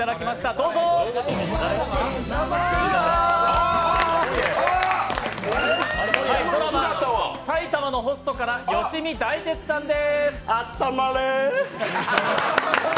どうもドラマ「埼玉のホスト」から吉見大鉄さんです。